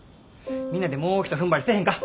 みんなでもうひとふんばりせえへんか？